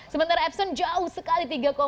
sementara epson jauh sekali tiga enam